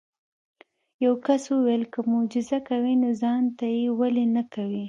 یو کس وویل که معجزه کوي نو ځان ته یې ولې نه کوې.